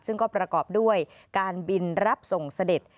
ซึ่งก็ประกอบด้วยการบินรับส่งเสด็จ